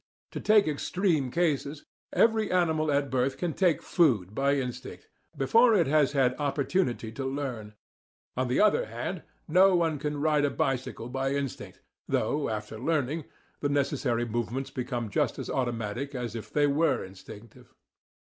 To take extreme cases, every animal at birth can take food by instinct, before it has had opportunity to learn; on the other hand, no one can ride a bicycle by instinct, though, after learning, the necessary movements become just as automatic as if they were instinctive.